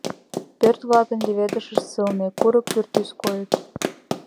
Пӧрт-влакын леведышышт, сылне курык пӱртӱс койыт.